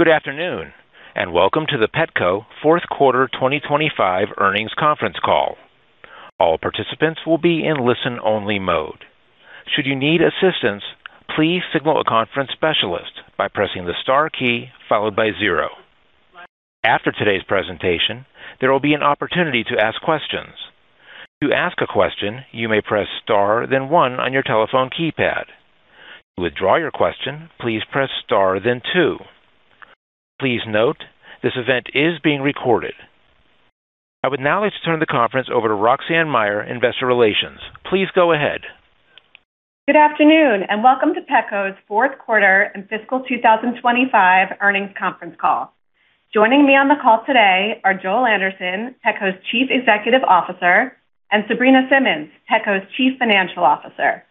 Good afternoon, and welcome to the Petco Fourth Quarter 2025 Earnings Conference call. All participants will be in listen-only mode. Should you need assistance, please signal a conference specialist by pressing the star key followed by zero. After today's presentation, there will be an opportunity to ask questions. To ask a question, you may press star then one on your telephone keypad. To withdraw your question, please press star then two. Please note, this event is being recorded. I would now like to turn the conference over to Roxanne Meyer, Investor Relations. Please go ahead. Good afternoon, and welcome to Petco's fourth quarter and fiscal 2025 earnings conference call. Joining me on the call today are Joel Anderson, Petco's Chief Executive Officer, and Sabrina Simmons, Petco's Chief Financial Officer.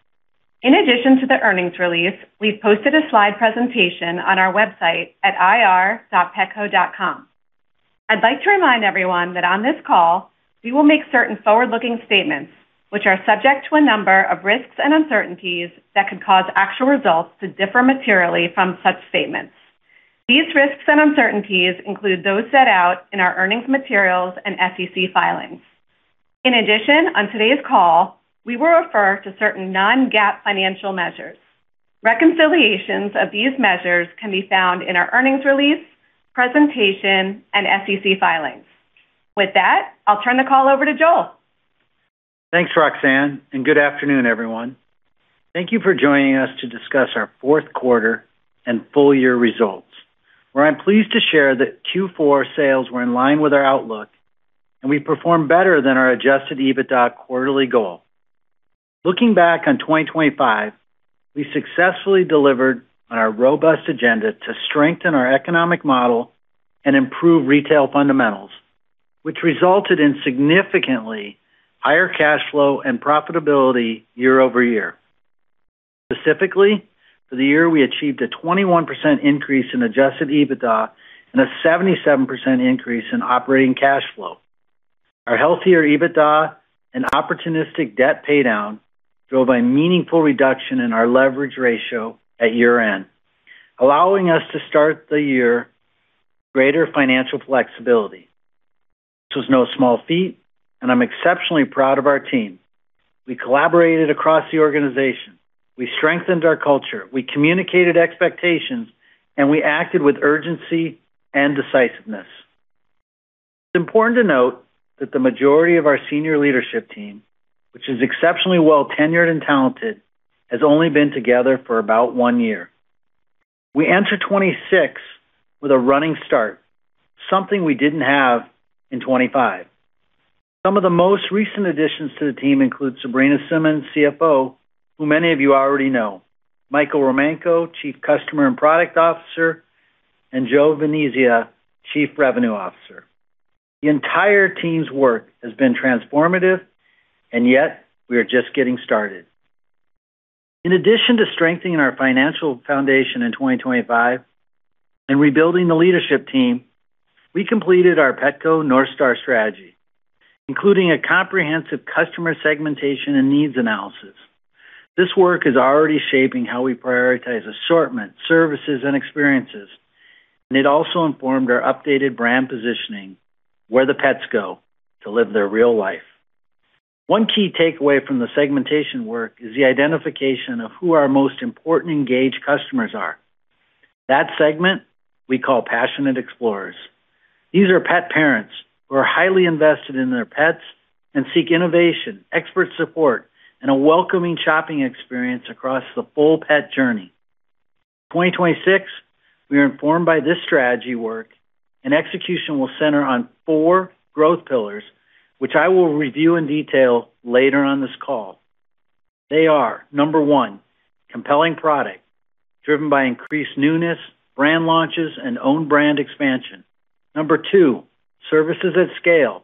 In addition to the earnings release, we've posted a slide presentation on our website at ir.petco.com. I'd like to remind everyone that on this call, we will make certain forward-looking statements which are subject to a number of risks and uncertainties that could cause actual results to differ materially from such statements. These risks and uncertainties include those set out in our earnings materials and SEC filings. In addition, on today's call, we will refer to certain non-GAAP financial measures. Reconciliations of these measures can be found in our earnings release, presentation, and SEC filings. With that, I'll turn the call over to Joel. Thanks, Roxanne, and good afternoon, everyone. Thank you for joining us to discuss our fourth quarter and full year results, where I'm pleased to share that Q4 sales were in line with our outlook and we performed better than our Adjusted EBITDA quarterly goal. Looking back on 2025, we successfully delivered on our robust agenda to strengthen our economic model and improve retail fundamentals, which resulted in significantly higher cash flow and profitability year-over-year. Specifically, for the year, we achieved a 21% increase in Adjusted EBITDA and a 77% increase in operating cash flow. Our healthier EBITDA and opportunistic debt paydown drove a meaningful reduction in our leverage ratio at year-end, allowing us to start the year with greater financial flexibility. This was no small feat, and I'm exceptionally proud of our team. We collaborated across the organization, we strengthened our culture, we communicated expectations, and we acted with urgency and decisiveness. It's important to note that the majority of our senior leadership team, which is exceptionally well tenured and talented, has only been together for about one year. We enter 2026 with a running start, something we didn't have in 2025. Some of the most recent additions to the team include Sabrina Simmons, CFO, who many of you already know, Michael Romanko, Chief Customer and Product Officer, and Joe Venezia, Chief Revenue Officer. The entire team's work has been transformative, and yet we are just getting started. In addition to strengthening our financial foundation in 2025 and rebuilding the leadership team, we completed our Petco North Star strategy, including a comprehensive customer segmentation and needs analysis. This work is already shaping how we prioritize assortment, services, and experiences, and it also informed our updated brand positioning, Where the Pets Go to Live their Best Lives. One key takeaway from the segmentation work is the identification of who our most important engaged customers are. That segment we call Passionate Explorers. These are pet parents who are highly invested in their pets and seek innovation, expert support, and a welcoming shopping experience across the full pet journey. In 2026, we are informed by this strategy work and execution will center on four growth pillars, which I will review in detail later on this call. They are, number one, compelling product driven by increased newness, brand launches, and own brand expansion. Number two, services at scale,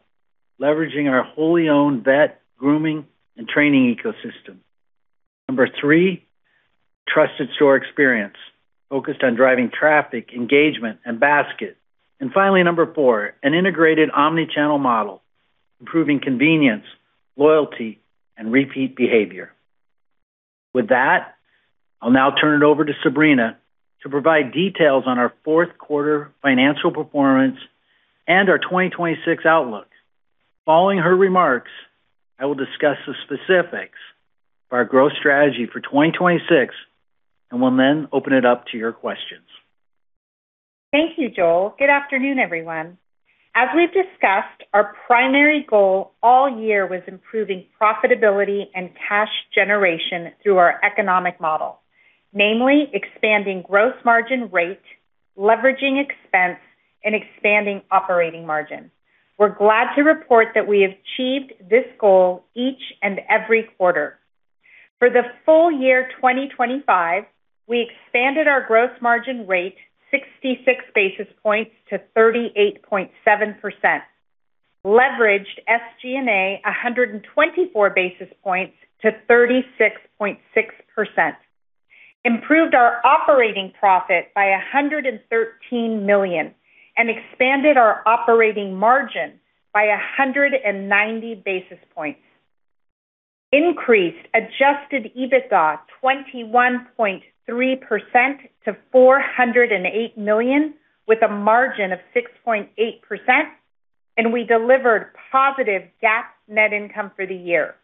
leveraging our wholly owned vet, grooming, and training ecosystem. Number three, trusted store experience focused on driving traffic, engagement, and basket. Finally, number four, an integrated omni-channel model, improving convenience, loyalty, and repeat behavior. With that, I'll now turn it over to Sabrina to provide details on our fourth quarter financial performance and our 2026 outlook. Following her remarks, I will discuss the specifics of our growth strategy for 2026, and we'll then open it up to your questions. Thank you, Joel. Good afternoon, everyone. As we've discussed, our primary goal all year was improving profitability and cash generation through our economic model, namely expanding gross margin rate, leveraging expense, and expanding operating margin. We're glad to report that we achieved this goal each and every quarter. For the full year 2025, we expanded our gross margin rate 66 basis points to 38.7%, leveraged SG&A 124 basis points to 36.6%, improved our operating profit by $113 million, and expanded our operating margin by 190 basis points. Increased Adjusted EBITDA 21.3% to $408 million with a margin of 6.8%, and we delivered positive GAAP net income for the year.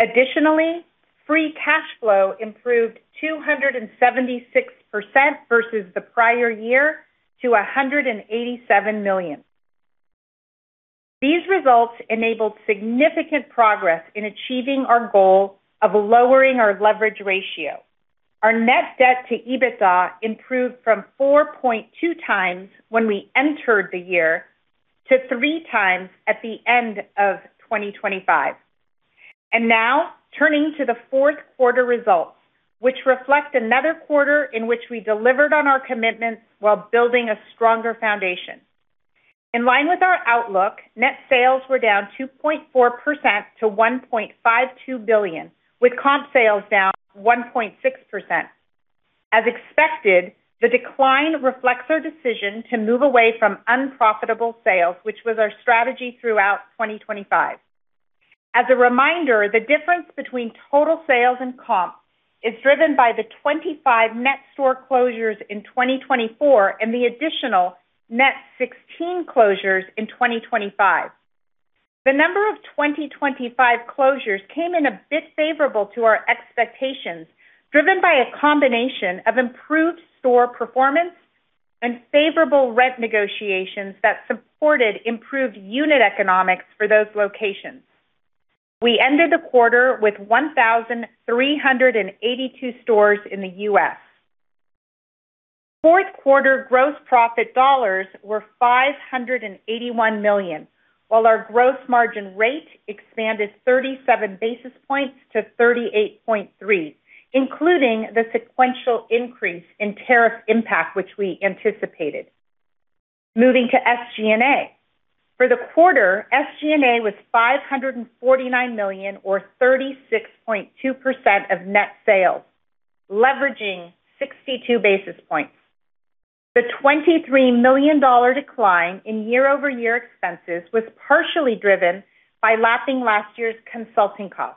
Additionally, free cash flow improved 276% versus the prior year to $187 million. These results enabled significant progress in achieving our goal of lowering our leverage ratio. Our net debt to EBITDA improved from 4.2x when we entered the year to 3x at the end of 2025. Now turning to the fourth quarter results, which reflect another quarter in which we delivered on our commitments while building a stronger foundation. In line with our outlook, net sales were down 2.4% to $1.52 billion, with comp sales down 1.6%. As expected, the decline reflects our decision to move away from unprofitable sales, which was our strategy throughout 2025. As a reminder, the difference between total sales and comp is driven by the 25 net store closures in 2024 and the additional net 16 closures in 2025. The number of 2025 closures came in a bit favorable to our expectations, driven by a combination of improved store performance and favorable rent negotiations that supported improved unit economics for those locations. We ended the quarter with 1,382 stores in the U.S. Fourth quarter gross profit dollars were $581 million, while our gross margin rate expanded 37 basis points to 38.3%, including the sequential increase in tariff impact, which we anticipated. Moving to SG&A. For the quarter, SG&A was $549 million or 36.2% of net sales, leveraging 62 basis points. The $23 million decline in year-over-year expenses was partially driven by lapping last year's consulting costs.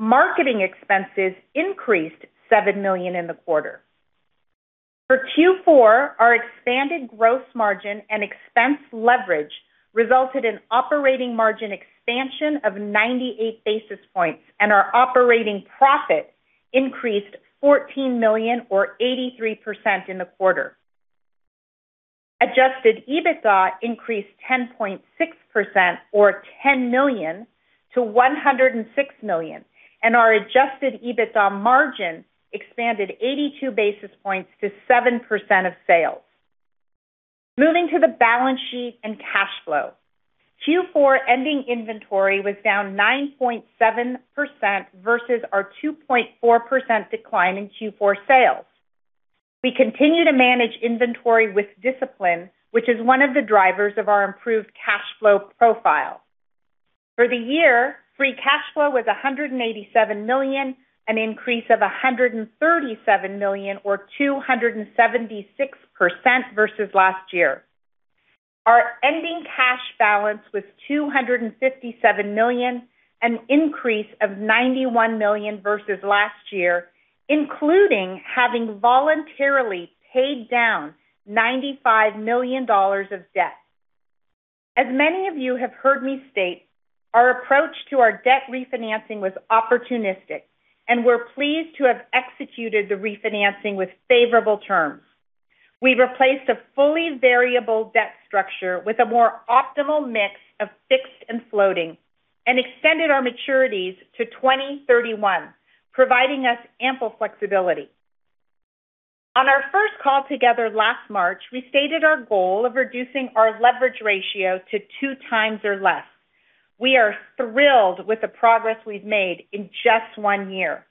Marketing expenses increased $7 million in the quarter. For Q4, our expanded gross margin and expense leverage resulted in operating margin expansion of 98 basis points, and our operating profit increased $14 million or 83% in the quarter. Adjusted EBITDA increased 10.6% or $10 million to $106 million, and our adjusted EBITDA margin expanded 82 basis points to 7% of sales. Moving to the balance sheet and cash flow. Q4 ending inventory was down 9.7% versus our 2.4% decline in Q4 sales. We continue to manage inventory with discipline, which is one of the drivers of our improved cash flow profile. For the year, free cash flow was $187 million, an increase of $137 million or 276% versus last year. Our ending cash balance was $257 million, an increase of $91 million versus last year, including having voluntarily paid down $95 million of debt. As many of you have heard me state, our approach to our debt refinancing was opportunistic, and we're pleased to have executed the refinancing with favorable terms. We replaced a fully variable debt structure with a more optimal mix of fixed and floating, and extended our maturities to 2031, providing us ample flexibility. On our first call together last March, we stated our goal of reducing our leverage ratio to 2x or less. We are thrilled with the progress we've made in just one year.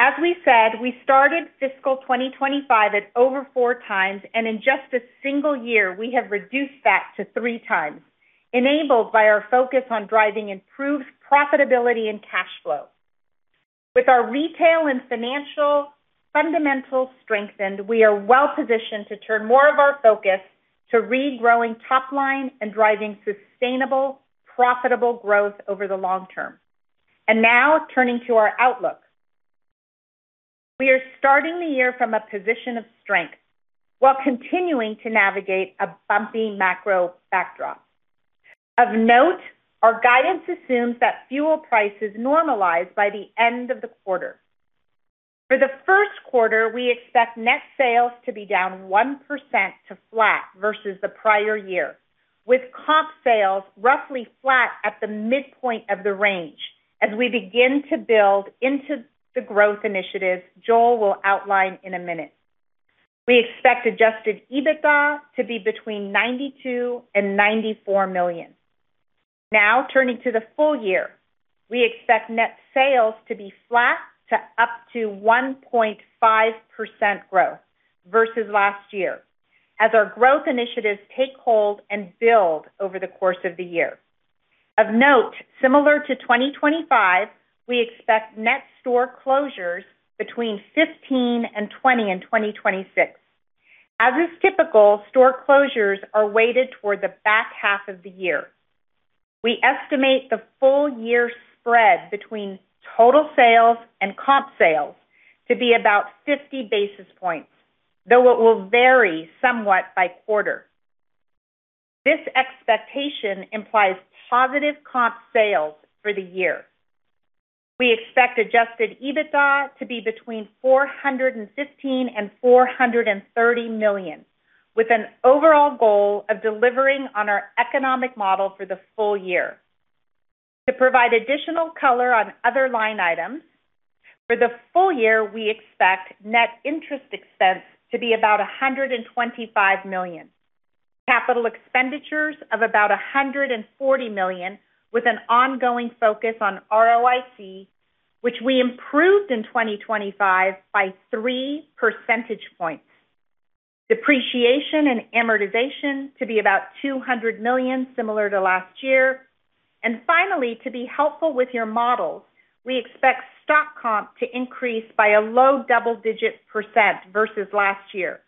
As we said, we started fiscal 2025 at over 4x, and in just a single year, we have reduced that to 3x, enabled by our focus on driving improved profitability and cash flow. With our retail and financial fundamentals strengthened, we are well-positioned to turn more of our focus to regrowing top line and driving sustainable, profitable growth over the long term. Now turning to our outlook. We are starting the year from a position of strength while continuing to navigate a bumpy macro backdrop. Of note, our guidance assumes that fuel prices normalize by the end of the quarter. For the first quarter, we expect net sales to be down 1% to flat versus the prior year, with comp sales roughly flat at the midpoint of the range as we begin to build into the growth initiatives Joel will outline in a minute. We expect Adjusted EBITDA to be between $92 million and $94 million. Now, turning to the full year, we expect net sales to be flat to up 1.5% growth versus last year as our growth initiatives take hold and build over the course of the year. Of note, similar to 2025, we expect net store closures between 15 and 20 in 2026. As is typical, store closures are weighted toward the back half of the year. We estimate the full year spread between total sales and comp sales to be about 50 basis points, though it will vary somewhat by quarter. This expectation implies positive comp sales for the year. We expect Adjusted EBITDA to be between $415 million and $430 million, with an overall goal of delivering on our economic model for the full year. To provide additional color on other line items, for the full year, we expect net interest expense to be about $125 million. Capital expenditures of about $140 million, with an ongoing focus on ROIC, which we improved in 2025 by 3 percentage points. Depreciation and amortization to be about $200 million, similar to last year. Finally, to be helpful with your models, we expect stock comp to increase by a low double-digit % versus last year.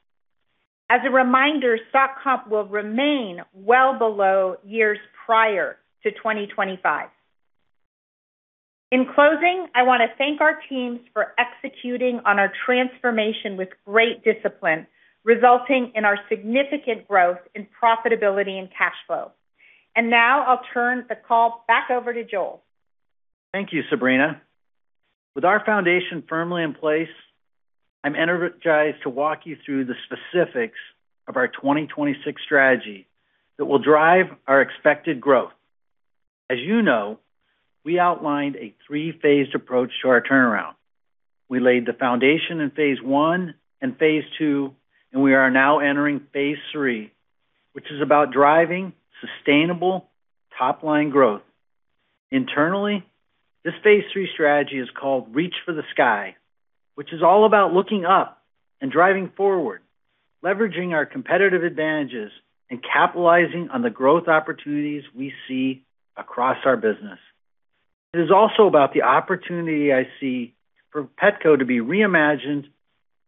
As a reminder, stock comp will remain well below years prior to 2025. In closing, I wanna thank our teams for executing on our transformation with great discipline, resulting in our significant growth in profitability and cash flow. Now I'll turn the call back over to Joel. Thank you, Sabrina. With our foundation firmly in place, I'm energized to walk you through the specifics of our 2026 strategy that will drive our expected growth. As you know, we outlined a three-phased approach to our turnaround. We laid the foundation in phase one and phase two, and we are now entering phase three, which is about driving sustainable top-line growth. Internally, this phase three strategy is called Reach for the Sky, which is all about looking up and driving forward, leveraging our competitive advantages and capitalizing on the growth opportunities we see across our business. It is also about the opportunity I see for Petco to be reimagined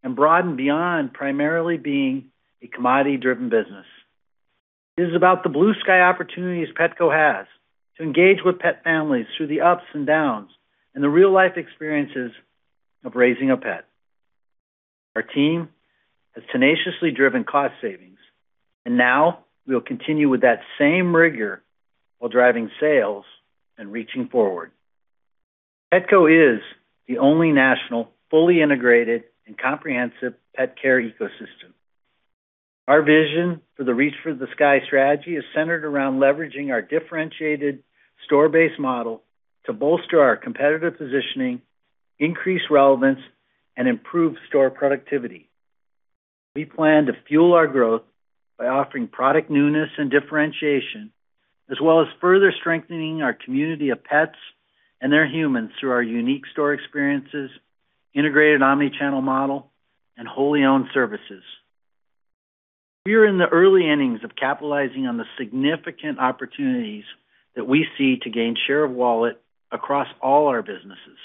and broadened beyond primarily being a commodity-driven business. It is about the blue sky opportunities Petco has to engage with pet families through the ups and downs and the real-life experiences of raising a pet. Our team has tenaciously driven cost savings, and now we'll continue with that same rigor while driving sales and reaching for the sky. Petco is the only national, fully integrated and comprehensive pet care ecosystem. Our vision for the Reach for the Sky strategy is centered around leveraging our differentiated store-based model to bolster our competitive positioning, increase relevance, and improve store productivity. We plan to fuel our growth by offering product newness and differentiation, as well as further strengthening our community of pets and their humans through our unique store experiences, integrated omni-channel model, and wholly owned services. We are in the early innings of capitalizing on the significant opportunities that we see to gain share of wallet across all our businesses.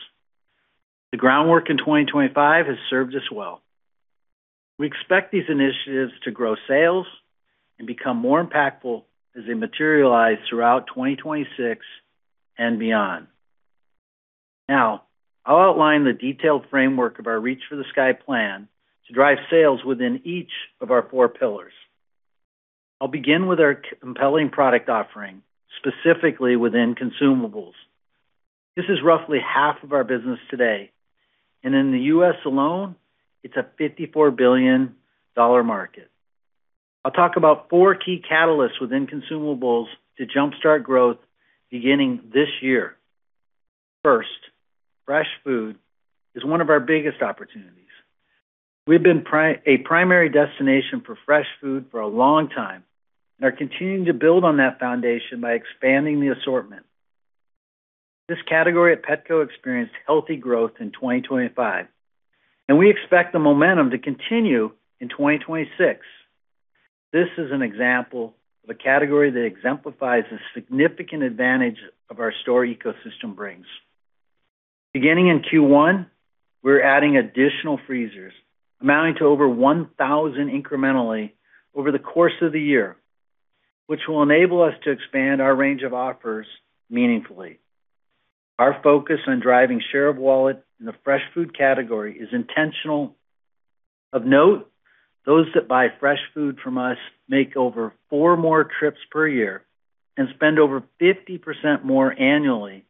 The groundwork in 2025 has served us well. We expect these initiatives to grow sales and become more impactful as they materialize throughout 2026 and beyond. Now, I'll outline the detailed framework of our Reach for the Sky plan to drive sales within each of our four pillars. I'll begin with our compelling product offering, specifically within consumables. This is roughly half of our business today, and in the U.S. alone, it's a $54 billion market. I'll talk about four key catalysts within consumables to jumpstart growth beginning this year. First, fresh food is one of our biggest opportunities. We've been a primary destination for fresh food for a long time and are continuing to build on that foundation by expanding the assortment. This category at Petco experienced healthy growth in 2025, and we expect the momentum to continue in 2026. This is an example of a category that exemplifies the significant advantage our store ecosystem brings. Beginning in Q1, we're adding additional freezers, amounting to over 1,000 incrementally over the course of the year, which will enable us to expand our range of offers meaningfully. Our focus on driving share of wallet in the fresh food category is intentional. Of note, those that buy fresh food from us make over four more trips per year and spend over 50% more annually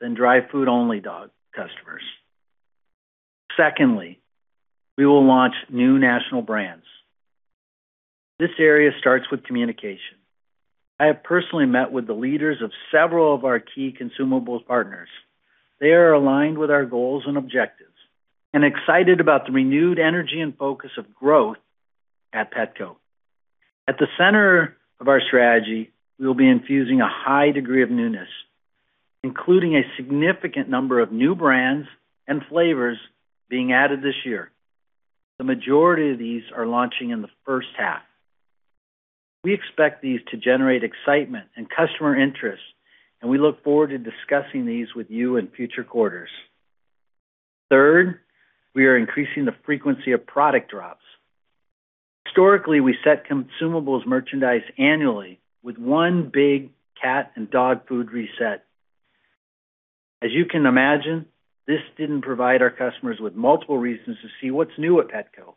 than dry food-only dog customers. Secondly, we will launch new national brands. This area starts with communication. I have personally met with the leaders of several of our key consumables partners. They are aligned with our goals and objectives and excited about the renewed energy and focus of growth at Petco. At the center of our strategy, we'll be infusing a high degree of newness, including a significant number of new brands and flavors being added this year. The majority of these are launching in the first half. We expect these to generate excitement and customer interest, and we look forward to discussing these with you in future quarters. Third, we are increasing the frequency of product drops. Historically, we set consumables merchandise annually with one big cat and dog food reset. As you can imagine, this didn't provide our customers with multiple reasons to see what's new at Petco,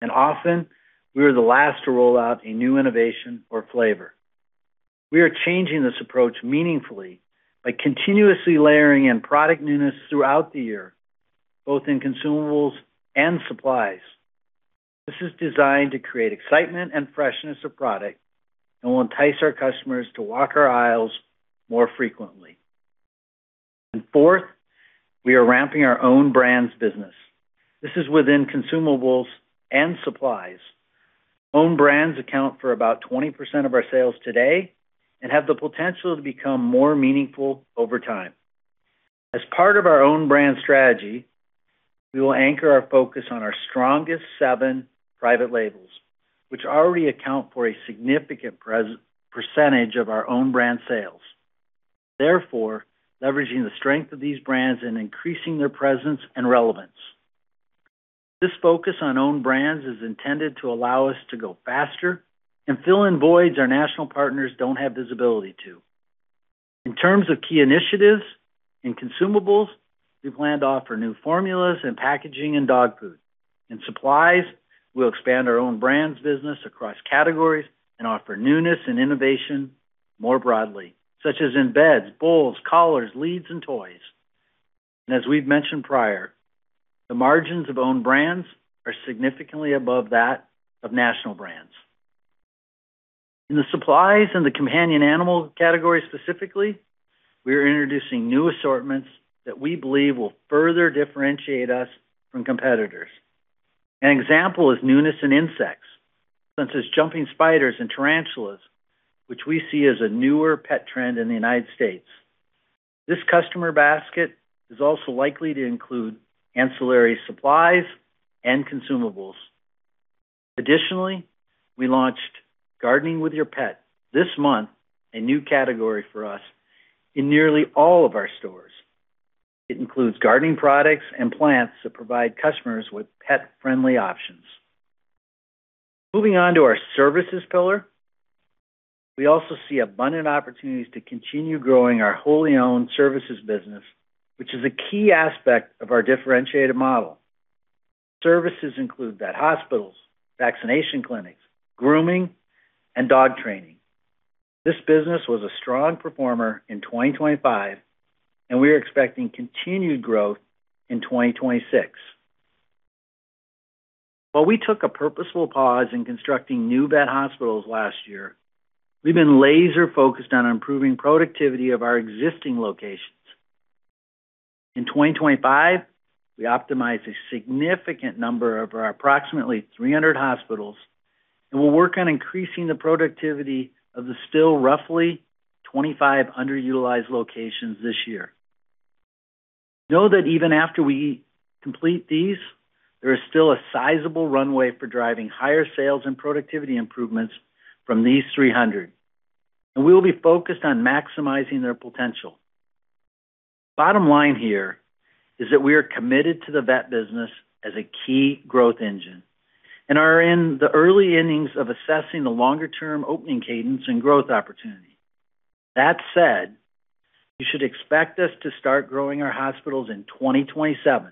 and often we were the last to roll out a new innovation or flavor. We are changing this approach meaningfully by continuously layering in product newness throughout the year, both in consumables and supplies. This is designed to create excitement and freshness of product and will entice our customers to walk our aisles more frequently. Fourth, we are ramping our own brands business. This is within consumables and supplies. Own brands account for about 20% of our sales today and have the potential to become more meaningful over time. As part of our own brand strategy, we will anchor our focus on our strongest seven private labels, which already account for a significant percentage of our own brand sales. Therefore, leveraging the strength of these brands and increasing their presence and relevance. This focus on own brands is intended to allow us to go faster and fill in voids our national partners don't have visibility to. In terms of key initiatives, in consumables, we plan to offer new formulas and packaging in dog food. In supplies, we'll expand our own brands business across categories and offer newness and innovation more broadly, such as in beds, bowls, collars, leads and toys. As we've mentioned prior, the margins of own brands are significantly above that of national brands. In the supplies and the companion animal category specifically, we are introducing new assortments that we believe will further differentiate us from competitors. An example is newness in insects, such as jumping spiders and tarantulas, which we see as a newer pet trend in the United States. This customer basket is also likely to include ancillary supplies and consumables. Additionally, we launched Gardening with Your Pet this month, a new category for us in nearly all of our stores. It includes gardening products and plants that provide customers with pet-friendly options. Moving on to our services pillar. We also see abundant opportunities to continue growing our wholly owned services business, which is a key aspect of our differentiated model. Services include vet hospitals, vaccination clinics, grooming and dog training. This business was a strong performer in 2025, and we are expecting continued growth in 2026. While we took a purposeful pause in constructing new vet hospitals last year, we've been laser-focused on improving productivity of our existing locations. In 2025, we optimized a significant number of our approximately 300 hospitals, and we'll work on increasing the productivity of the still roughly 25 underutilized locations this year. Know that even after we complete these, there is still a sizable runway for driving higher sales and productivity improvements from these 300, and we will be focused on maximizing their potential. Bottom line here is that we are committed to the vet business as a key growth engine and are in the early innings of assessing the longer-term opening cadence and growth opportunity. That said, you should expect us to start growing our hospitals in 2027.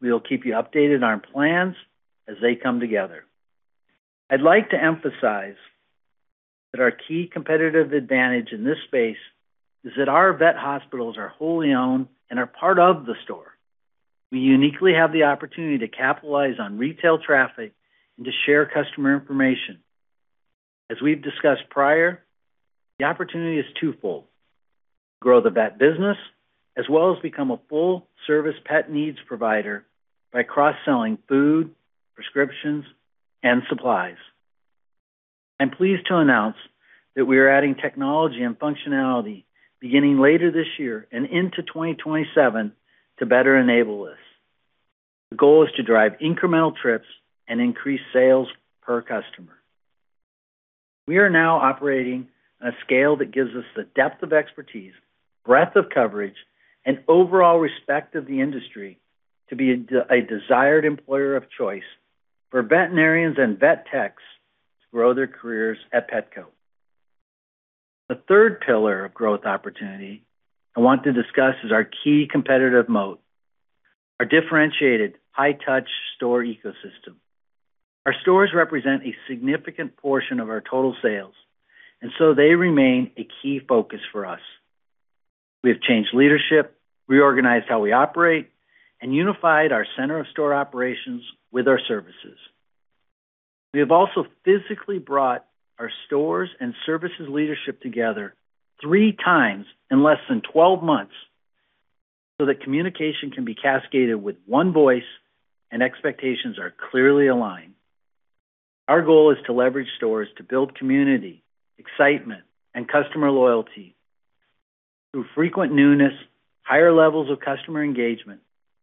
We will keep you updated on plans as they come together. I'd like to emphasize that our key competitive advantage in this space is that our vet hospitals are wholly owned and are part of the store. We uniquely have the opportunity to capitalize on retail traffic and to share customer information. As we've discussed prior, the opportunity is twofold. Grow the vet business as well as become a full-service pet needs provider by cross-selling food, prescriptions, and supplies. I'm pleased to announce that we are adding technology and functionality beginning later this year and into 2027 to better enable this. The goal is to drive incremental trips and increase sales per customer. We are now operating on a scale that gives us the depth of expertise, breadth of coverage, and overall respect of the industry to be a desired employer of choice for veterinarians and vet techs to grow their careers at Petco. The third pillar of growth opportunity I want to discuss is our key competitive moat, our differentiated high-touch store ecosystem. Our stores represent a significant portion of our total sales, and so they remain a key focus for us. We have changed leadership, reorganized how we operate, and unified our center-of-store operations with our services. We have also physically brought our stores and services leadership together three times in less than 12 months so that communication can be cascaded with one voice and expectations are clearly aligned. Our goal is to leverage stores to build community, excitement, and customer loyalty through frequent newness, higher levels of customer engagement,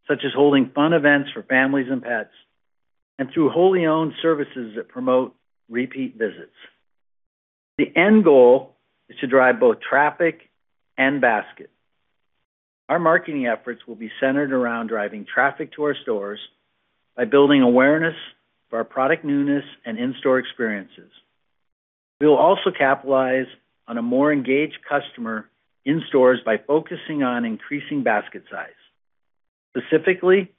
such as holding fun events for families and pets, and through wholly owned services that promote repeat visits. The end goal is to drive both traffic and basket. Our marketing efforts will be centered around driving traffic to our stores by building awareness for our product newness and in-store experiences. We will also capitalize on a more engaged customer in stores by focusing on increasing basket size. Specifically,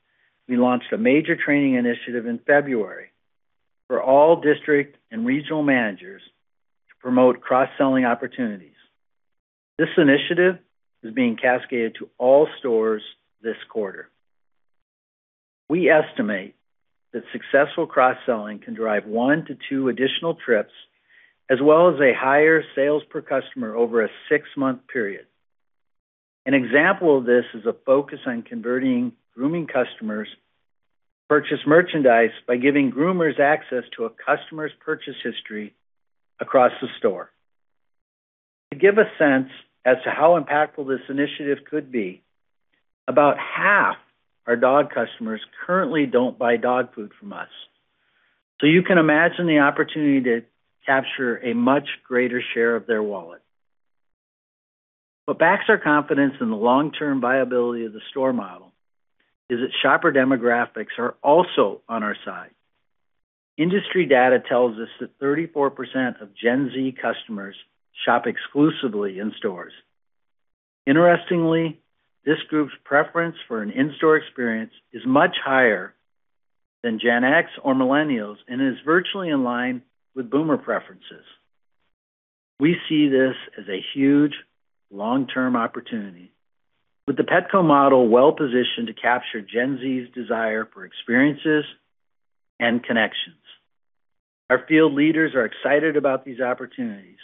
we launched a major training initiative in February for all district and regional managers to promote cross-selling opportunities. This initiative is being cascaded to all stores this quarter. We estimate that successful cross-selling can drive one to two additional trips, as well as a higher sales per customer over a six-month period. An example of this is a focus on converting grooming customers to purchase merchandise by giving groomers access to a customer's purchase history across the store. To give a sense as to how impactful this initiative could be, about half our dog customers currently don't buy dog food from us. You can imagine the opportunity to capture a much greater share of their wallet. What backs our confidence in the long-term viability of the store model is that shopper demographics are also on our side. Industry data tells us that 34% of Gen Z customers shop exclusively in stores. Interestingly, this group's preference for an in-store experience is much higher than Gen X or Millennials and is virtually in line with Boomer preferences. We see this as a huge long-term opportunity, with the Petco model well-positioned to capture Gen Z's desire for experiences and connections. Our field leaders are excited about these opportunities,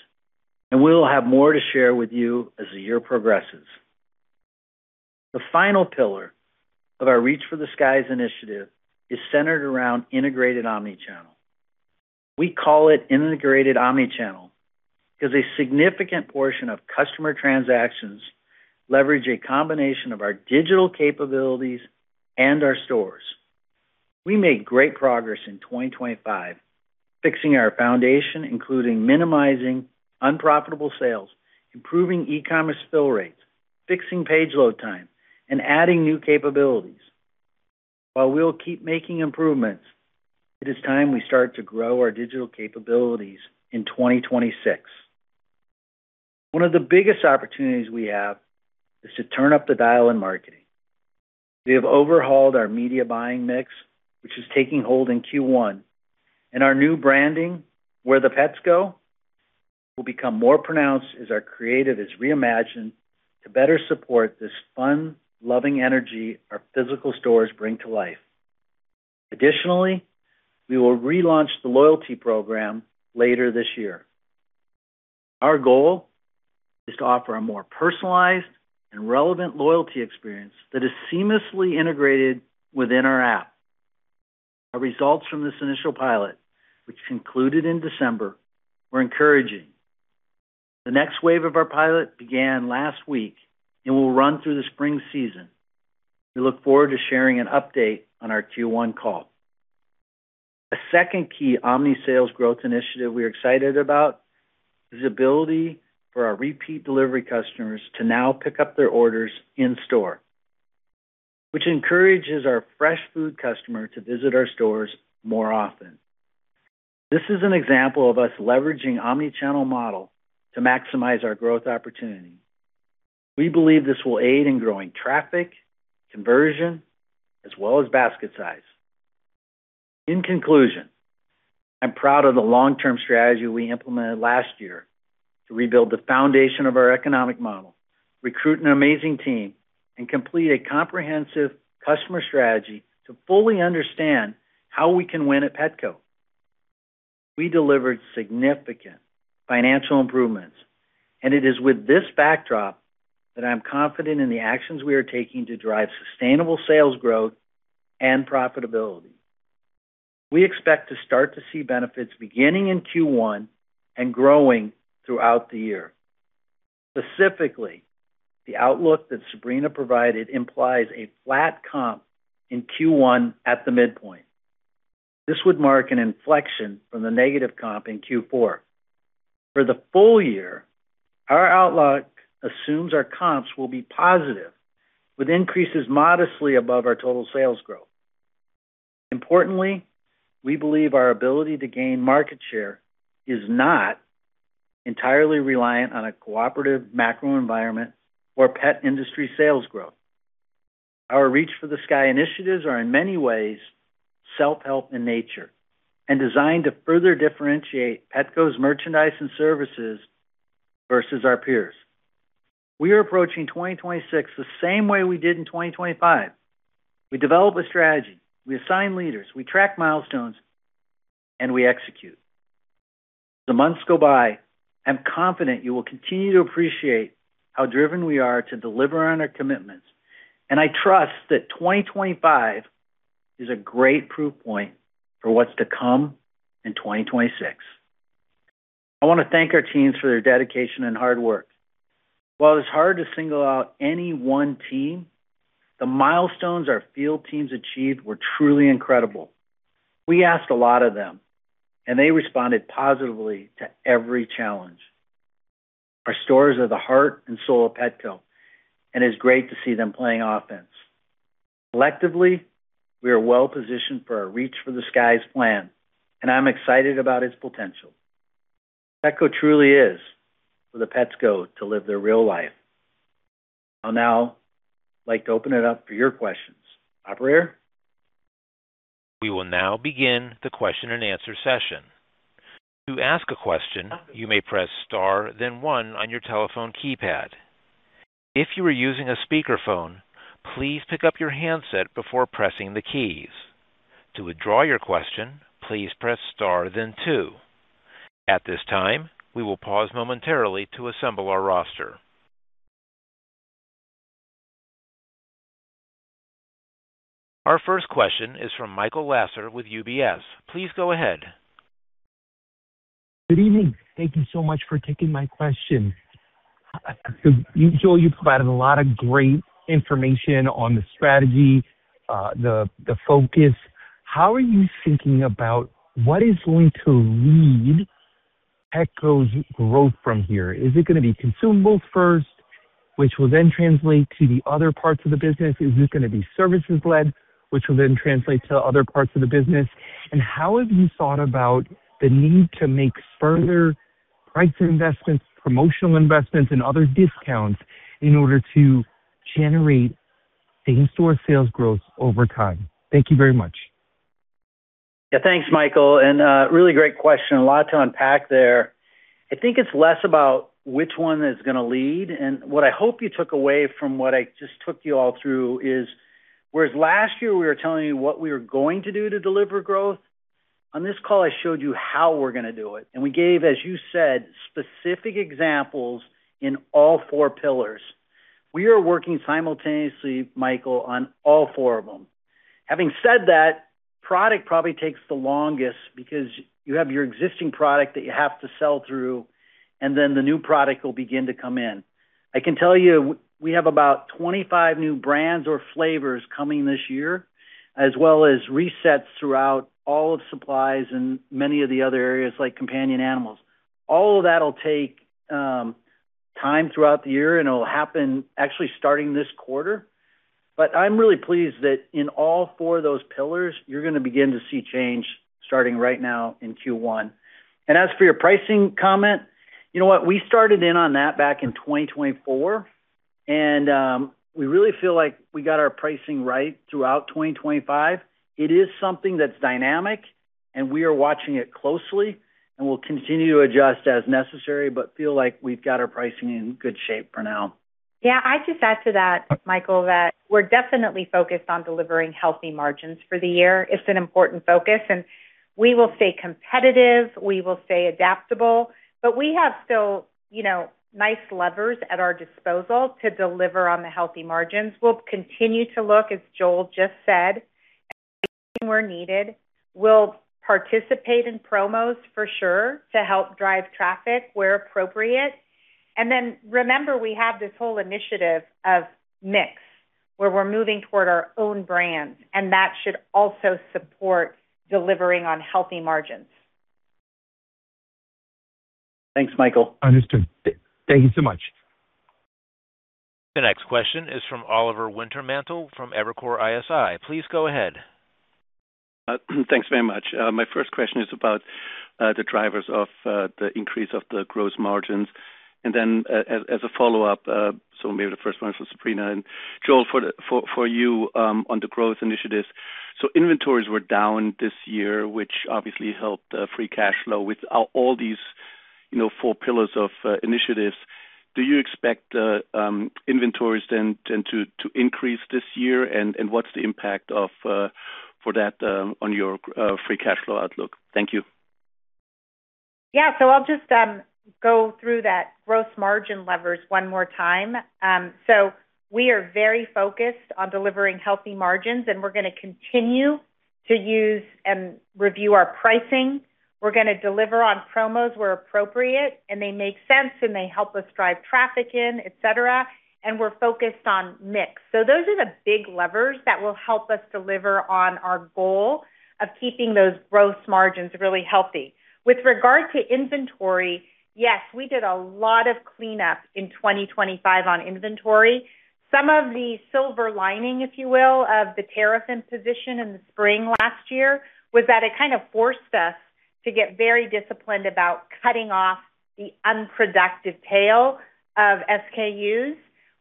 and we will have more to share with you as the year progresses. The final pillar of our Reach for the Sky's initiative is centered around integrated omni-channel. We call it integrated omni-channel because a significant portion of customer transactions leverage a combination of our digital capabilities and our stores. We made great progress in 2025, fixing our foundation, including minimizing unprofitable sales, improving e-commerce fill rates, fixing page load time, and adding new capabilities. While we will keep making improvements, it is time we start to grow our digital capabilities in 2026. One of the biggest opportunities we have is to turn up the dial in marketing. We have overhauled our media buying mix, which is taking hold in Q1. Our new branding, Where the Pets Go, will become more pronounced as our creative is reimagined to better support this fun, loving energy our physical stores bring to life. Additionally, we will relaunch the loyalty program later this year. Our goal is to offer a more personalized and relevant loyalty experience that is seamlessly integrated within our app. Our results from this initial pilot, which concluded in December, were encouraging. The next wave of our pilot began last week and will run through the spring season. We look forward to sharing an update on our Q1 call. A second key omni-sales growth initiative we're excited about is the ability for our repeat delivery customers to now pick up their orders in-store, which encourages our fresh food customer to visit our stores more often. This is an example of us leveraging omni-channel model to maximize our growth opportunity. We believe this will aid in growing traffic, conversion, as well as basket size. In conclusion, I'm proud of the long-term strategy we implemented last year to rebuild the foundation of our economic model, recruit an amazing team, and complete a comprehensive customer strategy to fully understand how we can win at Petco. We delivered significant financial improvements, and it is with this backdrop that I'm confident in the actions we are taking to drive sustainable sales growth and profitability. We expect to start to see benefits beginning in Q1 and growing throughout the year. Specifically, the outlook that Sabrina provided implies a flat comp in Q1 at the midpoint. This would mark an inflection from the negative comp in Q4. For the full year, our outlook assumes our comps will be positive, with increases modestly above our total sales growth. Importantly, we believe our ability to gain market share is not entirely reliant on a cooperative macro environment or pet industry sales growth. Our Reach for the Sky initiatives are in many ways self-help in nature and designed to further differentiate Petco's merchandise and services versus our peers. We are approaching 2026 the same way we did in 2025. We develop a strategy, we assign leaders, we track milestones, and we execute. As the months go by, I'm confident you will continue to appreciate how driven we are to deliver on our commitments, and I trust that 2025 is a great proof point for what's to come in 2026. I want to thank our teams for their dedication and hard work. While it's hard to single out any one team, the milestones our field teams achieved were truly incredible. We asked a lot of them, and they responded positively to every challenge. Our stores are the heart and soul of Petco, and it's great to see them playing offense. Collectively, we are well positioned for our Reach for the Sky's plan, and I'm excited about its potential. Petco truly is where the pets go to live their best lives. I'd now like to open it up for your questions. Operator? We will now begin the question and answer session. To ask a question, you may press star then one on your telephone keypad. If you are using a speakerphone, please pick up your handset before pressing the keys. To withdraw your question, please press star then two. At this time, we will pause momentarily to assemble our roster. Our first question is from Michael Lasser with UBS. Please go ahead. Good evening. Thank you so much for taking my question. Joel, you provided a lot of great information on the strategy, focus. How are you thinking about what is going to lead Petco's growth from here? Is it gonna be consumables first, which will then translate to the other parts of the business? Is it gonna be services led, which will then translate to other parts of the business? And how have you thought about the need to make further price investments, promotional investments, and other discounts in order to generate the in-store sales growth over time? Thank you very much. Yeah, thanks Michael, and really great question. A lot to unpack there. I think it's less about which one is gonna lead. What I hope you took away from what I just took you all through is, whereas last year we were telling you what we were going to do to deliver growth, on this call, I showed you how we're gonna do it. We gave, as you said, specific examples in all four pillars. We are working simultaneously, Michael, on all four of them. Having said that, product probably takes the longest because you have your existing product that you have to sell through, and then the new product will begin to come in. I can tell you we have about 25 new brands or flavors coming this year, as well as resets throughout all of supplies and many of the other areas like companion animals. All of that'll take time throughout the year and it'll happen actually starting this quarter. I'm really pleased that in all four of those pillars, you're gonna begin to see change starting right now in Q1. As for your pricing comment, you know what? We started in on that back in 2024 and we really feel like we got our pricing right throughout 2025. It is something that's dynamic, and we are watching it closely, and we'll continue to adjust as necessary, but feel like we've got our pricing in good shape for now. Yeah, I'd just add to that, Michael, that we're definitely focused on delivering healthy margins for the year. It's an important focus, and we will stay competitive, we will stay adaptable, but we have still, you know, nice levers at our disposal to deliver on the healthy margins. We'll continue to look, as Joel just said, at pricing where needed. We'll participate in promos for sure to help drive traffic where appropriate. Remember, we have this whole initiative of mix, where we're moving toward our own brands, and that should also support delivering on healthy margins. Thanks, Michael. Understood. Thank you so much. The next question is from Oliver Wintermantel from Evercore ISI. Please go ahead. Thanks very much. My first question is about the drivers of the increase of the gross margins. As a follow-up, maybe the first one is for Sabrina and Joel for you on the growth initiatives. Inventories were down this year, which obviously helped free cash flow. With all these, you know, four pillars of initiatives, do you expect inventories then to increase this year? And what's the impact of for that on your free cash flow outlook? Thank you. Yeah. I'll just go through that gross margin levers one more time. We are very focused on delivering healthy margins, and we're gonna continue to use and review our pricing. We're gonna deliver on promos where appropriate and they make sense and they help us drive traffic in, et cetera, and we're focused on mix. Those are the big levers that will help us deliver on our goal of keeping those gross margins really healthy. With regard to inventory, yes, we did a lot of cleanup in 2025 on inventory. Some of the silver lining, if you will, of the tariff imposition in the spring last year was that it kind of forced us to get very disciplined about cutting off the unproductive tail of SKUs.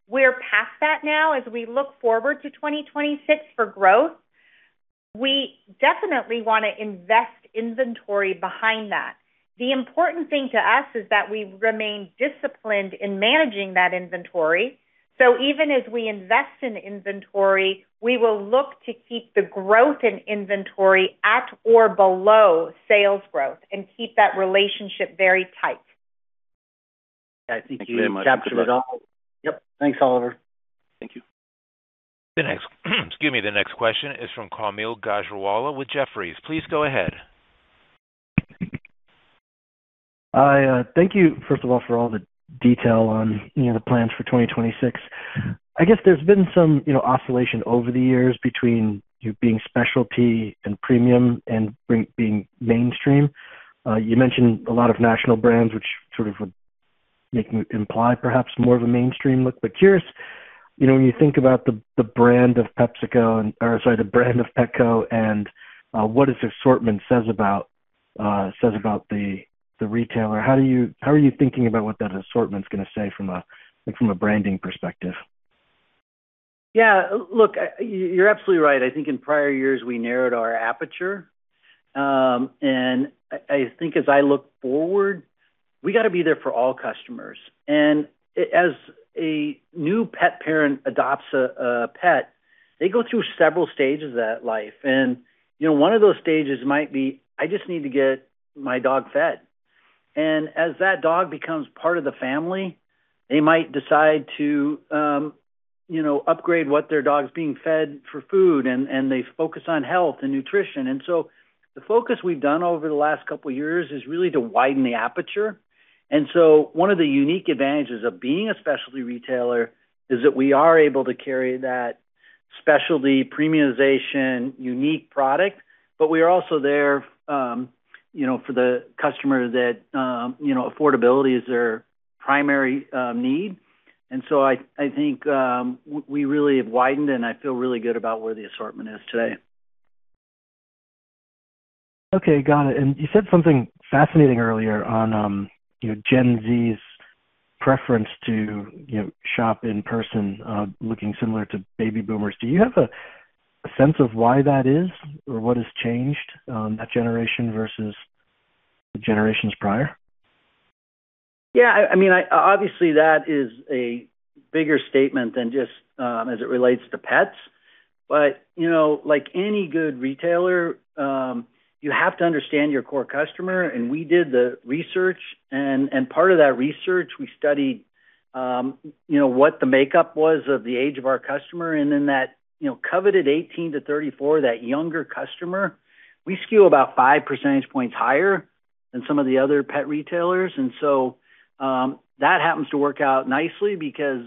We're past that now. As we look forward to 2026 for growth, we definitely wanna invest inventory behind that. The important thing to us is that we remain disciplined in managing that inventory. Even as we invest in inventory, we will look to keep the growth in inventory at or below sales growth and keep that relationship very tight. I think you captured it all. Thank you very much. Good luck. Yep. Thanks, Oliver. Thank you. The next, excuse me, the next question is from Kaumil Gajrawala with Jefferies. Please go ahead. I thank you, first of all, for all the detail on, you know, the plans for 2026. I guess there's been some, you know, oscillation over the years between you being specialty and premium and being mainstream. You mentioned a lot of national brands, which sort of would make me imply perhaps more of a mainstream look. Curious, you know, when you think about the brand of Petco and what its assortment says about the retailer, how are you thinking about what that assortment is gonna say from a branding perspective? Yeah, look, you're absolutely right. I think in prior years, we narrowed our aperture. I think as I look forward, we got to be there for all customers. As a new pet parent adopts a pet, they go through several stages of that life. You know, one of those stages might be, "I just need to get my dog fed." As that dog becomes part of the family, they might decide to, you know, upgrade what their dog's being fed for food, and they focus on health and nutrition. The focus we've done over the last couple of years is really to widen the aperture. One of the unique advantages of being a specialty retailer is that we are able to carry that specialty premiumization unique product, but we are also there, you know, for the customer that, you know, affordability is their primary need. I think we really have widened, and I feel really good about where the assortment is today. Okay, got it. You said something fascinating earlier on, you know, Gen Z's preference to, you know, shop in person, looking similar to baby boomers. Do you have a sense of why that is or what has changed, that generation versus the generations prior? I mean, obviously, that is a bigger statement than just as it relates to pets. You know, like any good retailer, you have to understand your core customer, and we did the research. Part of that research, we studied you know, what the makeup was of the age of our customer, and then that, you know, coveted 18-34, that younger customer, we skew about five percentage points higher than some of the other pet retailers. That happens to work out nicely because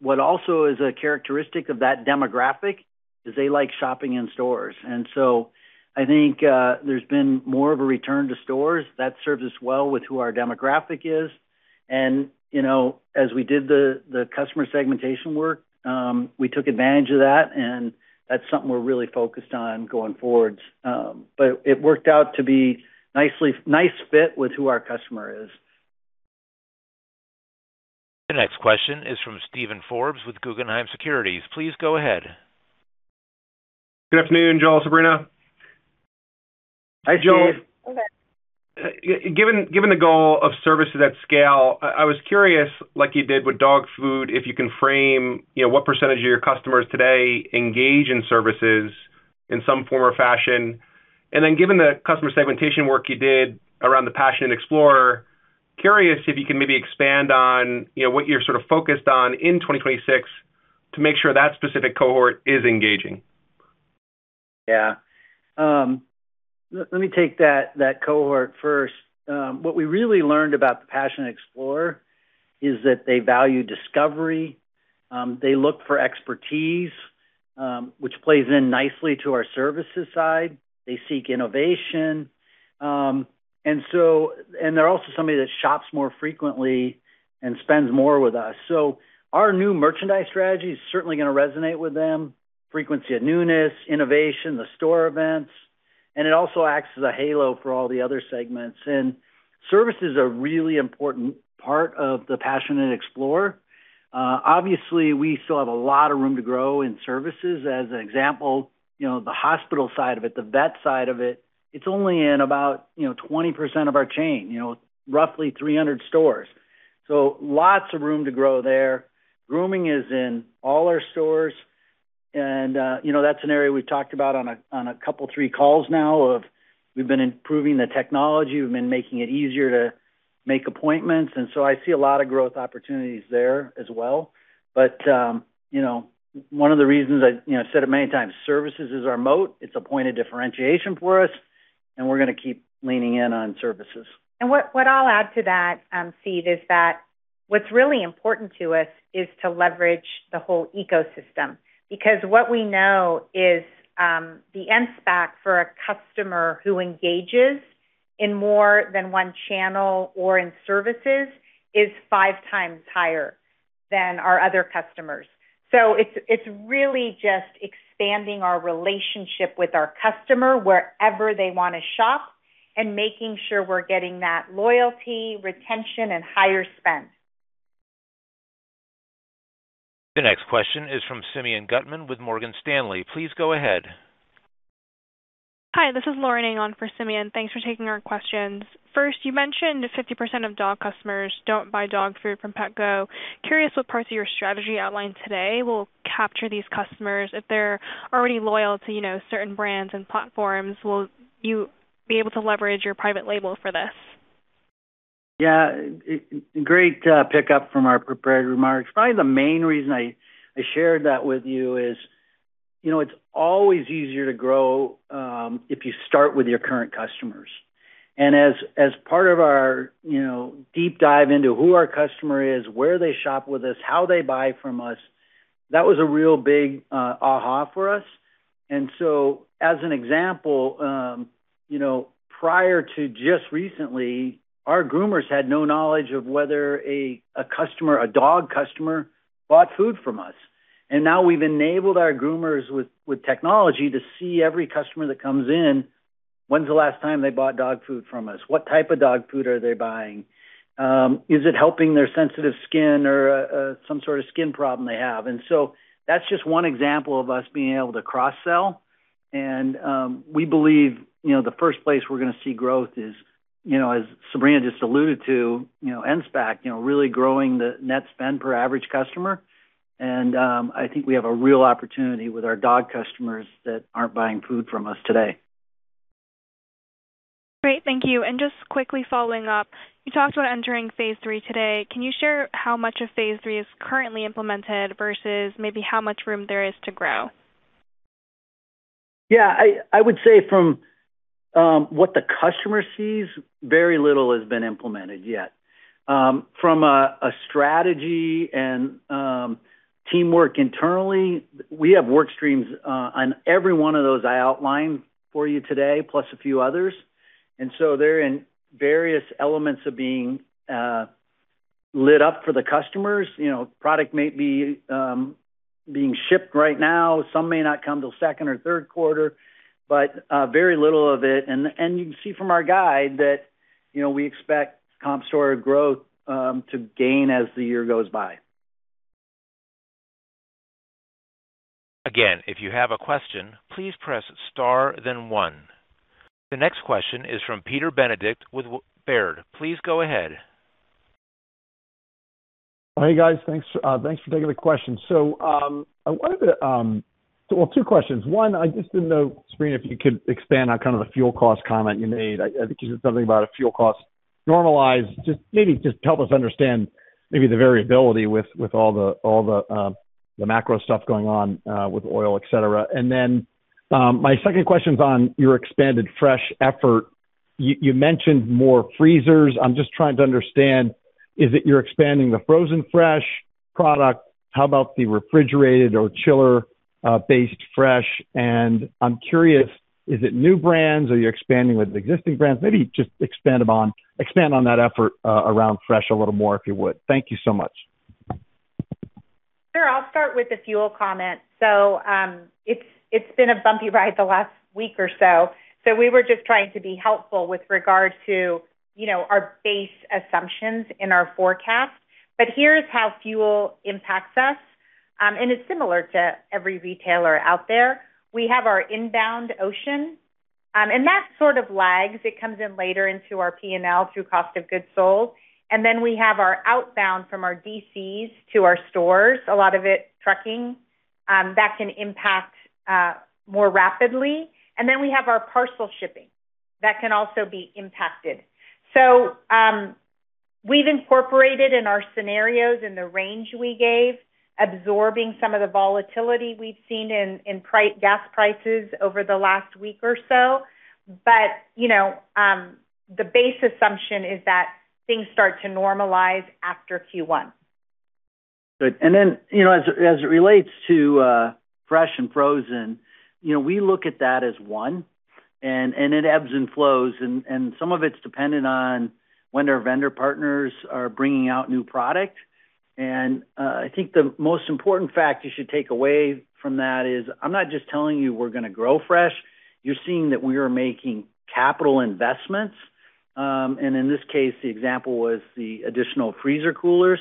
what also is a characteristic of that demographic is they like shopping in stores. I think, there's been more of a return to stores. That serves us well with who our demographic is. You know, as we did the customer segmentation work, we took advantage of that, and that's something we're really focused on going forwards. It worked out to be nice fit with who our customer is. The next question is from Steven Forbes with Guggenheim Securities. Please go ahead. Good afternoon, Joel and Sabrina. Hi, Steve. Given the goal of services at scale, I was curious, like you did with dog food, if you can frame, you know, what percentage of your customers today engage in services in some form or fashion. Given the customer segmentation work you did around the Passionate Explorers, curious if you can maybe expand on, you know, what you're sort of focused on in 2026 to make sure that specific cohort is engaging. Yeah. Let me take that cohort first. What we really learned about the Passionate Explorer is that they value discovery, they look for expertise, which plays in nicely to our services side. They seek innovation. They're also somebody that shops more frequently and spends more with us. Our new merchandise strategy is certainly gonna resonate with them. Frequency and newness, innovation, the store events, and it also acts as a halo for all the other segments. Services are a really important part of the Passionate Explorer. Obviously, we still have a lot of room to grow in services. As an example, you know, the hospital side of it, the vet side of it's only in about, you know, 20% of our chain, you know, roughly 300 stores. Lots of room to grow there. Grooming is in all our stores. You know, that's an area we've talked about on a couple three calls now that we've been improving the technology. We've been making it easier to make appointments, and so I see a lot of growth opportunities there as well. You know, one of the reasons I you know said it many times, services is our moat. It's a point of differentiation for us, and we're gonna keep leaning in on services. What I'll add to that, Steve, is that what's really important to us is to leverage the whole ecosystem. Because what we know is, the NSPAC for a customer who engages in more than one channel or in services is five times higher than our other customers. It's really just expanding our relationship with our customer wherever they wanna shop and making sure we're getting that loyalty, retention, and higher spend. The next question is from Simeon Gutman with Morgan Stanley. Please go ahead. Hi, this is Lauren Ng for Simeon. Thanks for taking our questions. First, you mentioned 50% of dog customers don't buy dog food from Petco. Curious what parts of your strategy outlined today will capture these customers if they're already loyal to, you know, certain brands and platforms. Will you be able to leverage your private label for this? Yeah. Great pickup from our prepared remarks. Probably the main reason I shared that with you is, you know, it's always easier to grow if you start with your current customers. As part of our, you know, deep dive into who our customer is, where they shop with us, how they buy from us, that was a real big aha for us. As an example, you know, prior to just recently, our groomers had no knowledge of whether a customer, a dog customer bought food from us. Now we've enabled our groomers with technology to see every customer that comes in, when's the last time they bought dog food from us? What type of dog food are they buying? Is it helping their sensitive skin or some sort of skin problem they have? That's just one example of us being able to cross-sell. We believe, you know, the first place we're gonna see growth is, you know, as Sabrina just alluded to, you know, NSPAC, you know, really growing the net spend per average customer. I think we have a real opportunity with our dog customers that aren't buying food from us today. Great. Thank you. Just quickly following up, you talked about entering phase three today. Can you share how much of phase three is currently implemented versus maybe how much room there is to grow? Yeah. I would say from what the customer sees, very little has been implemented yet. From a strategy and teamwork internally, we have work streams on every one of those I outlined for you today, plus a few others. They're in various elements of being lit up for the customers. You know, product may be being shipped right now. Some may not come till second or third quarter, but very little of it. And you can see from our guide that, you know, we expect comp store growth to gain as the year goes by. Again, if you have a question, please press star then one. The next question is from Peter Benedict with Baird. Please go ahead. Hey, guys. Thanks for taking the question. So, two questions. One, I just didn't know, Sabrina, if you could expand on kind of the fuel cost comment you made. I think you said something about a fuel cost normalized. Just help us understand the variability with all the macro stuff going on with oil, etc. And then, my second question's on your expanded fresh effort. You mentioned more freezers. I'm just trying to understand, is it you're expanding the frozen fresh product? How about the refrigerated or chiller based fresh? And I'm curious, is it new brands? Are you expanding with existing brands? Maybe just expand on that effort around fresh a little more, if you would. Thank you so much. Sure. I'll start with the fuel comment. It's been a bumpy ride the last week or so. We were just trying to be helpful with regard to, you know, our base assumptions in our forecast. Here's how fuel impacts us, and it's similar to every retailer out there. We have our inbound ocean, and that sort of lags. It comes in later into our P&L through cost of goods sold. Then we have our outbound from our DCs to our stores, a lot of it trucking, that can impact more rapidly. Then we have our parcel shipping. That can also be impacted. We've incorporated in our scenarios in the range we gave, absorbing some of the volatility we've seen in gas prices over the last week or so. You know, the base assumption is that things start to normalize after Q1. Good. You know, as it relates to fresh and frozen, you know, we look at that as one, and it ebbs and flows. Some of it's dependent on when our vendor partners are bringing out new product. I think the most important fact you should take away from that is I'm not just telling you we're gonna grow fresh. You're seeing that we are making capital investments. In this case, the example was the additional freezer coolers,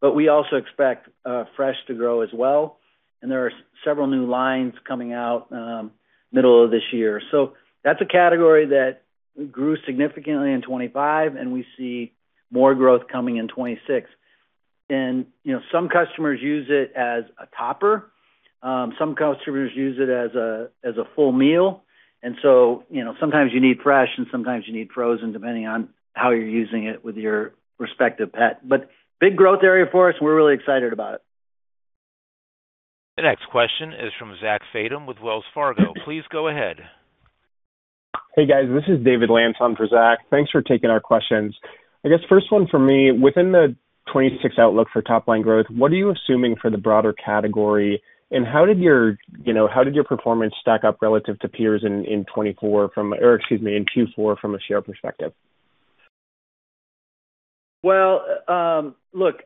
but we also expect fresh to grow as well. There are several new lines coming out middle of this year. That's a category that grew significantly in 2025, and we see more growth coming in 2026. You know, some customers use it as a topper. Some customers use it as a full meal. you know, sometimes you need fresh and sometimes you need frozen, depending on how you're using it with your respective pet. big growth area for us, we're really excited about it. The next question is from Zachary Fadem with Wells Fargo. Please go ahead. Hey, guys. This is David Lantz for Zach. Thanks for taking our questions. I guess first one for me, within the 2026 outlook for top line growth, what are you assuming for the broader category, and how did your, you know, performance stack up relative to peers in Q4 from a share perspective? Well, look,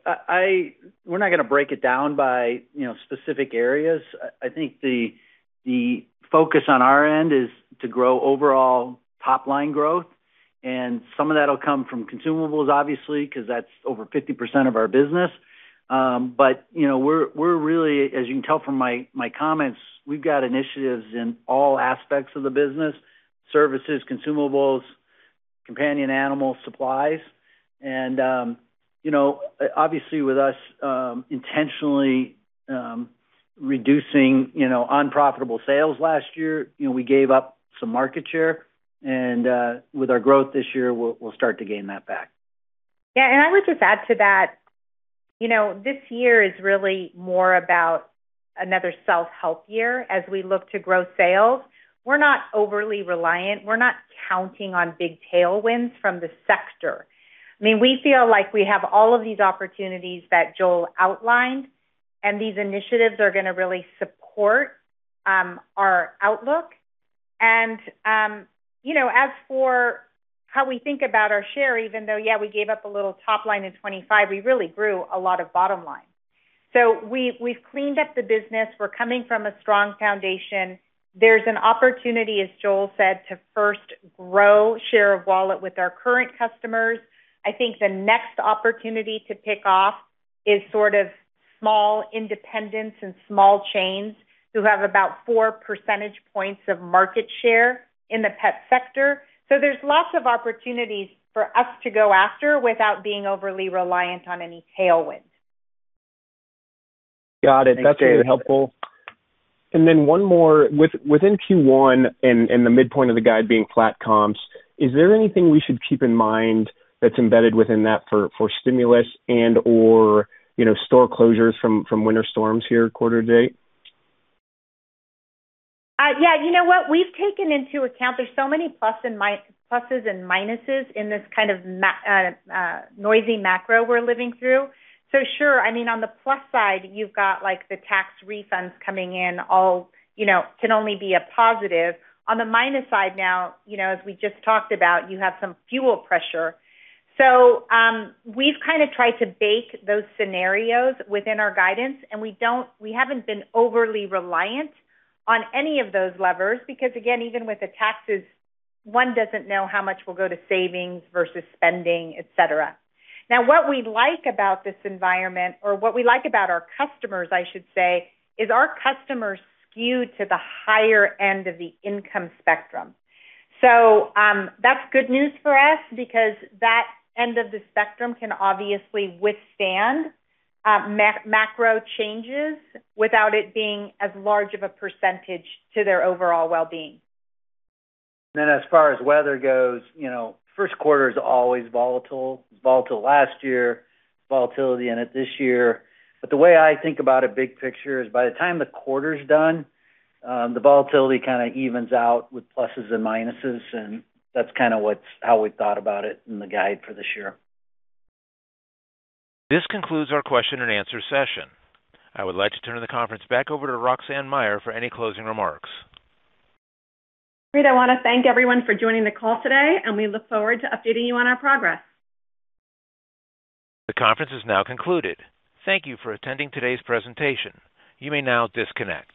we're not gonna break it down by, you know, specific areas. I think the focus on our end is to grow overall top line growth, and some of that'll come from consumables obviously, 'cause that's over 50% of our business. You know, we're really, as you can tell from my comments, we've got initiatives in all aspects of the business, services, consumables, companion animal supplies. You know, obviously with us intentionally reducing unprofitable sales last year, you know, we gave up some market share, and with our growth this year, we'll start to gain that back. Yeah. I would just add to that. You know, this year is really more about another self-help year as we look to grow sales. We're not overly reliant. We're not counting on big tailwinds from the sector. I mean, we feel like we have all of these opportunities that Joel outlined, and these initiatives are gonna really support our outlook. You know, as for how we think about our share, even though, yeah, we gave up a little top line in 2025, we really grew a lot of bottom line. We've cleaned up the business. We're coming from a strong foundation. There's an opportunity, as Joel said, to first grow share of wallet with our current customers. I think the next opportunity to pick off is sort of small independents and small chains who have about 4 percentage points of market share in the pet sector. There's lots of opportunities for us to go after without being overly reliant on any tailwind. Got it. That's really helpful. One more. Within Q1 and the midpoint of the guide being flat comps, is there anything we should keep in mind that's embedded within that for stimulus and/or, you know, store closures from winter storms here quarter to date? Yeah. You know what? We've taken into account. There's so many pluses and minuses in this kind of noisy macro we're living through. Sure. I mean, on the plus side, you've got, like the tax refunds coming in at all, you know, can only be a positive. On the minus side now, you know, as we just talked about, you have some fuel price pressure. We've kind of tried to bake those scenarios within our guidance, and we haven't been overly reliant on any of those levers because again, even with the taxes, one doesn't know how much will go to savings versus spending, et cetera. Now, what we like about this environment or what we like about our customers, I should say, is our customers skew to the higher end of the income spectrum. That's good news for us because that end of the spectrum can obviously withstand macro changes without it being as large of a percentage to their overall well-being. As far as weather goes, you know, first quarter is always volatile. It was volatile last year, volatility in it this year. The way I think about a big picture is by the time the quarter's done, the volatility kind of evens out with pluses and minuses, and that's kind of how we've thought about it in the guide for this year. This concludes our question and answer session. I would like to turn the conference back over to Roxanne Meyer for any closing remarks. Great. I wanna thank everyone for joining the call today, and we look forward to updating you on our progress. The conference is now concluded. Thank you for attending today's presentation. You may now disconnect.